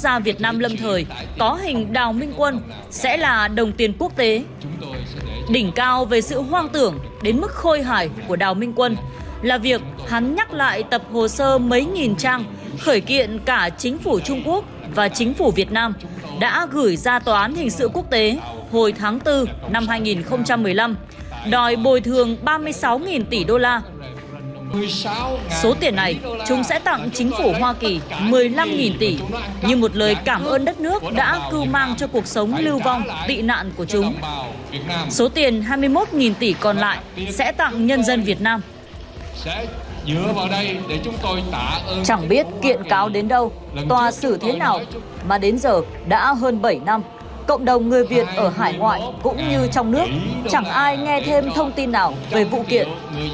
chẳng biết kiện cáo đến đâu tòa xử thế nào mà đến giờ đã hơn bảy năm cộng đồng người việt ở hải ngoại cũng như trong nước chẳng ai nghe thêm thông tin nào về vụ kiện